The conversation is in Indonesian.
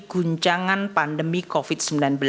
guncangan pandemi covid sembilan belas